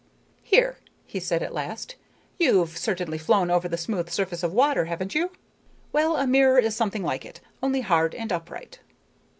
"Here," he said at last, "you've certainly flown over the smooth surface of water, haven't you? Well, a mirror is something like it, only hard and upright."